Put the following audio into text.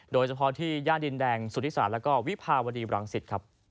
โดยเฉพาะที่ย่านดินแดงศูนย์ศาสตร์และวิภาวรีบรังศิษฐ์